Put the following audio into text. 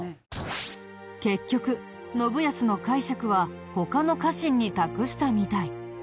結局信康の介錯は他の家臣に託したみたい。